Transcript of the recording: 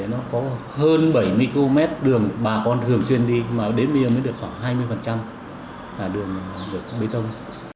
nó có hơn bảy mươi km đường bà con thường xuyên đi mà đến bây giờ mới được khoảng hai mươi là đường được bê tông